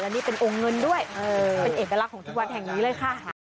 นี่เป็นองค์เงินด้วยเป็นเอกลักษณ์ของทุกวัดแห่งนี้เลยค่ะ